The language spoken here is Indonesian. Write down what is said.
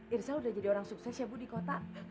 irsa udah jadi orang sukses ya bu di kota